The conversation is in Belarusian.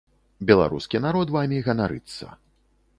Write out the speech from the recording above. Беларускі народ вамі ганарыцца.